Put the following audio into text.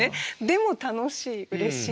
でも楽しいうれしい。